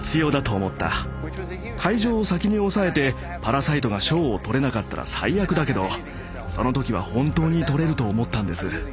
会場を先に押さえて「パラサイト」が賞を取れなかったら最悪だけどその時は本当に取れると思ったんです。